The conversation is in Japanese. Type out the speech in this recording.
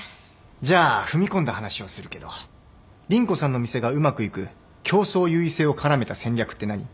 じゃあ踏み込んだ話をするけど凛子さんのお店がうまくいく競争優位性を絡めた戦略って何？